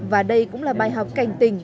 và đây cũng là bài học cành tình